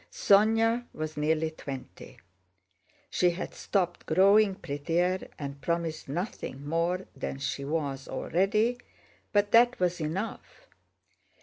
Sónya was nearly twenty; she had stopped growing prettier and promised nothing more than she was already, but that was enough.